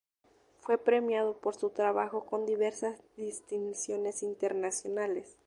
Fue premiado por su trabajo con diversas distinciones internacionales.